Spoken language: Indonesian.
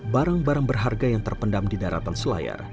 barang barang berharga yang terpendam di daratan selayar